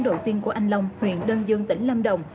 đầu tiên của anh long huyện đơn dương tỉnh lâm đồng